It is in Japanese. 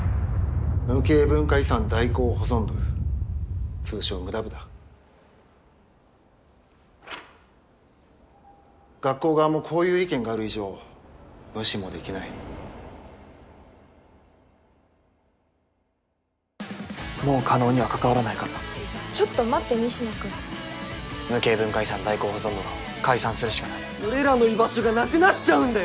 無形文化遺産代行保存部通称ムダ部だ学校側もこういう意見がある以上無視もできないもう叶には関わらないからちょっと待って仁科君無形文化遺産代行保存部は解散するしかない俺らの居場所がなくなっちゃうんだよ